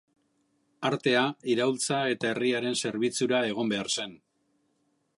Artea iraultza eta herriaren zerbitzura egon behar zen.